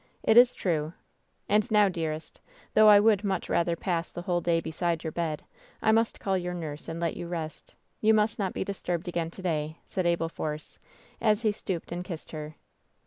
"It is true. And now, dearest, though I would much rather pass the whole day beside your bed, I must call your nurse and let you rest. You must not be dis turbed again to day," said Abel Force, as he stooped and kissed her.